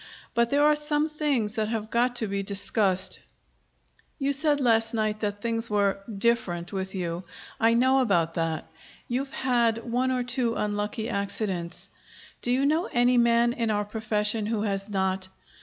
But there are some things that have got to be discussed. You said last night that things were "different" with you. I know about that. You'd had one or two unlucky accidents. Do you know any man in our profession who has not?